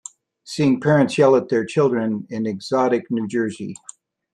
Seeing parents yell at their children in exotic New Jersey?